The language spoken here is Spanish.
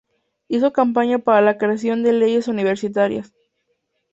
Hizo campaña para la creación de leyes universitarias.